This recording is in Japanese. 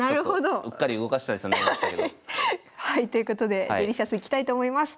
はいということでデリシャスいきたいと思います。